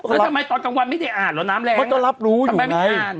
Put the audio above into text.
แล้วทำไมตอนกลางวันไม่ได้อ่านเหรอน้ำแรงมันก็รับรู้ทำไมไม่อ่าน